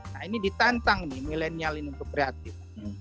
nah ini ditantang nih milenial ini untuk kreatif